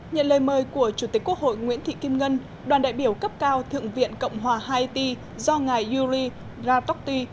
nhận lời mời của chủ tịch quốc hội nguyễn thị kim ngân đoàn đại biểu cấp cao thượng viện cộng hòa haiti do ngài yuri ratokti